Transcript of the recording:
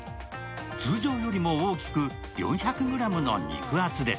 通常よりも大きく、４００ｇの肉厚です。